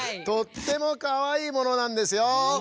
とってもかわいいものなんですよ。